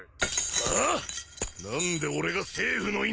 はあ！？何で俺が政府の犬に！